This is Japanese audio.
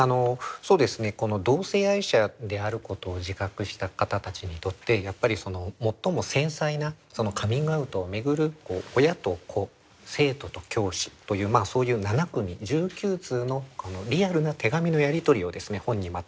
そうですねこの同性愛者であることを自覚した方たちにとってやっぱり最も繊細なカミングアウトを巡る親と子生徒と教師というそういう７組１９通のリアルな手紙のやり取りをですね本に